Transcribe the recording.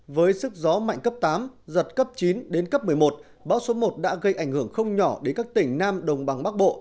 với sức gió mạnh cấp tám giật cấp chín đến cấp một mươi một bão số một đã gây ảnh hưởng không nhỏ đến các tỉnh nam đồng bằng bắc bộ